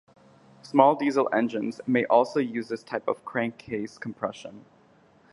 Small diesel engines may also use this type of crankcase compression.